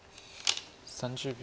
３０秒。